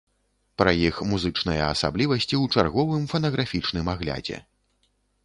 Пра іх музычныя асаблівасці ў чарговым фанаграфічным аглядзе.